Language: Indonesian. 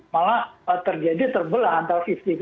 malah terjadi terbelah antara lima puluh lima puluh